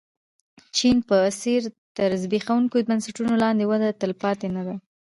چین په څېر تر زبېښونکو بنسټونو لاندې وده تلپاتې نه ده.